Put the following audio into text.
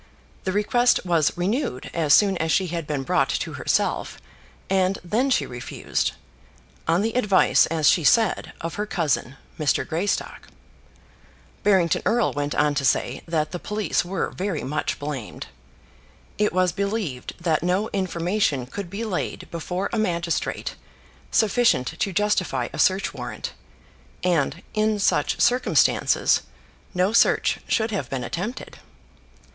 The request was renewed as soon as she had been brought to herself; and then she refused, on the advice, as she said, of her cousin, Mr. Greystock. Barrington Erle went on to say that the police were very much blamed. It was believed that no information could be laid before a magistrate sufficient to justify a search warrant; and, in such circumstances, no search should have been attempted.